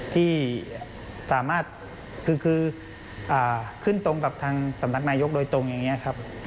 ที่สามารถคือขึ้นตรงกับทางสำนักนายกโดยตรงอย่างนี้ครับ